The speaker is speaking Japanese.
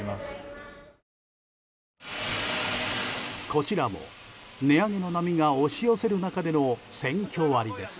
こちらも値上げの波が押し寄せる中での選挙割です。